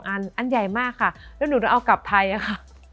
อันใหญ่มากค่ะแล้วหนูต้องเอากลับไทยอะค่ะ